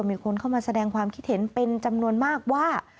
มีคนเข้ามาแสดงความคิดเห็นเป็นจำนวนมากว่า